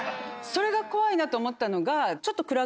それが怖いなと思ったのがちょっと。